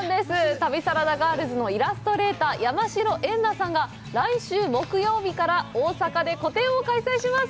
旅サラダガールズのイラストレーター、山代エンナさんが来週木曜日から大阪で個展を開催します。